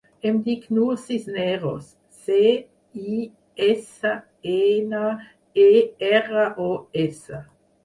Em dic Nur Cisneros: ce, i, essa, ena, e, erra, o, essa.